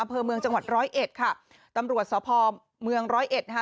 อำเภอเมืองจังหวัดร้อยเอ็ดค่ะตำรวจสพเมืองร้อยเอ็ดนะคะ